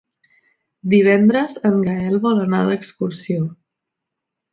Divendres en Gaël vol anar d'excursió.